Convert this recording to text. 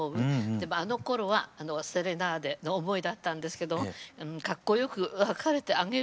でもあのころはセレナーデの思いだったんですけどもかっこよく別れてあげるわ。